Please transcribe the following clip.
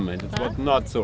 dan itu tidak begitu asal